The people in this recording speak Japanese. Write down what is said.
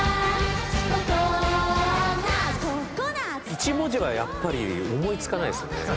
１文字はやっぱり思い付かないですよね。